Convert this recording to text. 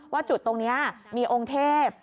จุดตรงนี้มีองค์เทพ